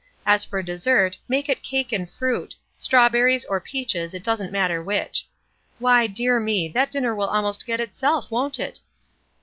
As for dessert, make it cake and fruit, —strawberries, or peaches, it doesn't matter which. Why, dear me ! that dinner will almost get itself, won't it?"